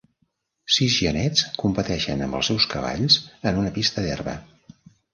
Sis genets competeixen amb els seus cavalls en una pista d'herba.